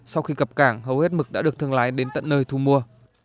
sau khi cập cảng hầu hết mực đã được thương lái đến tận nơi thu mua